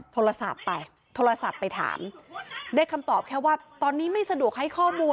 โทรศัพท์ไปโทรศัพท์ไปถามได้คำตอบแค่ว่าตอนนี้ไม่สะดวกให้ข้อมูล